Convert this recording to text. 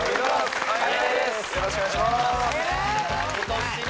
よろしくお願いします